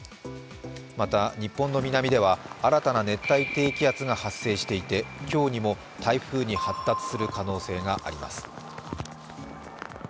また日本の南では新たな熱帯低気圧が発生していて今日にも台風に発達する可能性があります。